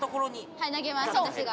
はい投げますわたしが。